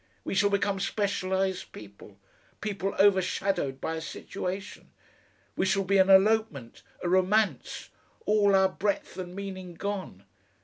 We shall become specialised people people overshadowed by a situation. We shall be an elopement, a romance all our breadth and meaning gone!